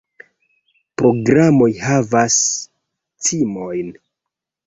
Programoj havas cimojn!